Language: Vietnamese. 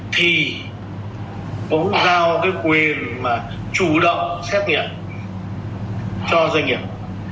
thì cũng giao cái quyền mà chủ động xét nghiệm cho doanh nghiệp